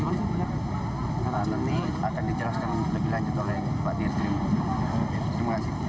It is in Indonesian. nanti akan dijelaskan lebih lanjut oleh pak dirimu